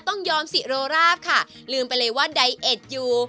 ต้องยอมสิโรราบค่ะลืมไปเลยว่าไดเอ็ดอยู่